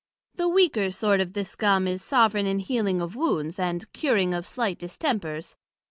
The weaker sort of this Gum is soveraign in healing of wounds, and curing of slight distempers.